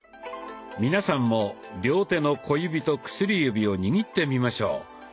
皆さんも両手の小指と薬指を握ってみましょう。